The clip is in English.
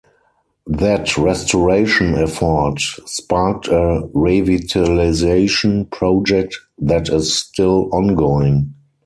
That restoration effort sparked a revitalization project that is still ongoing.